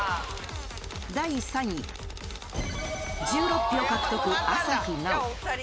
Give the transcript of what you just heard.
第３位、１６票獲得、朝日奈央。